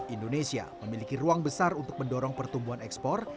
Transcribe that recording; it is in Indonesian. indonesia memiliki ruang besar untuk mendorong pertumbuhan ekspor